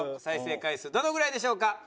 再生回数どのぐらいでしょうか？